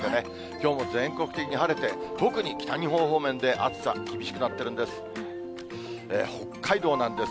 きょうも全国的に晴れて、特に北日本方面で暑さ、厳しくなっているんです。